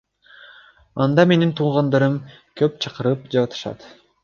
Анда менин туугандарым көп, чакырып жатышат.